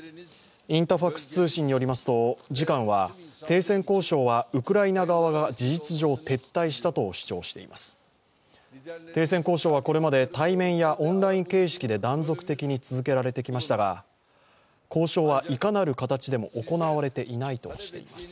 インタファクス通信によりますと次官は停戦交渉はウクライナ側が事実上、撤退したと主張しています停戦交渉はこれまで対面やオンライン形式で断続的に続けられてきましたが交渉はいかなる形でも行われていないとしています。